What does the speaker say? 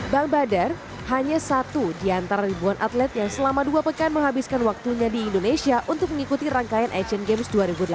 bang badar hanya satu di antara ribuan atlet yang selama dua pekan menghabiskan waktunya di indonesia untuk mengikuti rangkaian asian games dua ribu delapan belas